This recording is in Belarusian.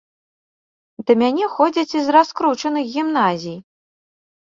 Да мяне ходзяць і з раскручаных гімназій.